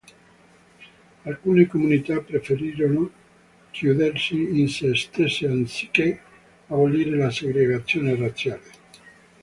Alcune comunità preferirono chiudersi in se stesse anziché abolire la segregazione razziale.